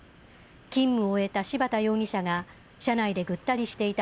勤務を終えた柴田容疑者が、車内でぐったりしていた